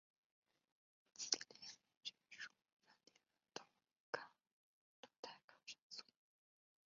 自链霉菌属分离的多肽抗生素。